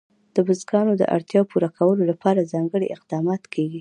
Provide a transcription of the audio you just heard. د بزګانو د اړتیاوو پوره کولو لپاره ځانګړي اقدامات کېږي.